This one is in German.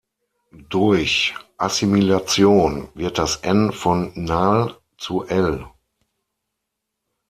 Durch Assimilation wird das „n“ von „nal“" zu „l“.